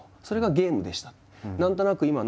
それがゲームでした。